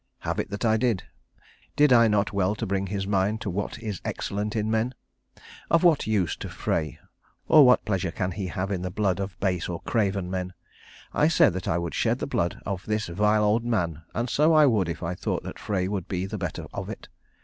Have it that I did; did I not well to bring his mind to what is excellent in men? Of what use to Frey, or what pleasure can he have in the blood of base or craven men? I said that I would shed the blood of this vile old man, and so I would if I thought that Frey would be the better of it.